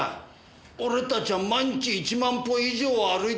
俺たちは毎日１万歩以上は歩いてるぞ。